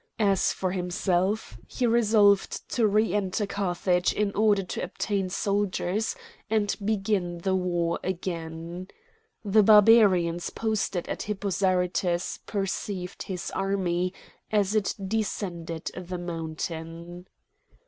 As for himself, he resolved to re enter Carthage in order to obtain soldiers and begin the war again. The Barbarians posted at Hippo Zarytus perceived his army as it descended the mountain.